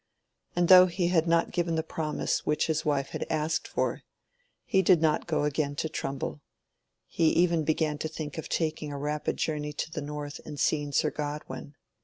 And though he had not given the promise which his wife had asked for, he did not go again to Trumbull. He even began to think of taking a rapid journey to the North and seeing Sir Godwin.